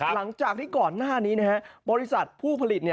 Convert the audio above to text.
หลังจากที่ก่อนหน้านี้บริษัทผู้ผลิต